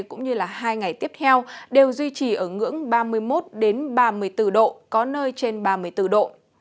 cũng như là hai ngày tiếp theo đều duy trì ở ngưỡng ba mươi một ba mươi bốn độ có nơi trên ba mươi bốn độ